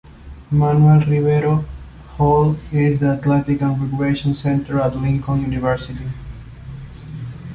Manuel Rivero Hall is the athletic and recreation center at Lincoln University.